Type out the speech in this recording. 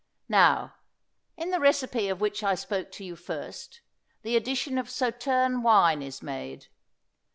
Now, in the recipe of which I spoke to you first, the addition of Sauterne wine is made.